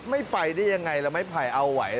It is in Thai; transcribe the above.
ไม่ไปได้ยังไงแล้วไม้ไผ่เอาไหว